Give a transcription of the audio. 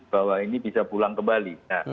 bahwa ini bisa pulang kembali